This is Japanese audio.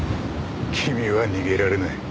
君は逃げられない。